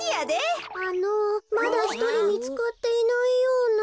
あのまだひとりみつかっていないような。